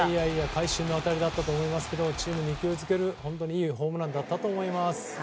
会心の当たりでしたしチームに勢いをつける本当にいいホームランだったと思います。